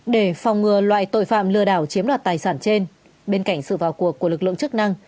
để phòng ngừa loại tội phạm lừa đảo chiếm đoạt tài sản trên bên cạnh sự vào cuộc của lực lượng chức năng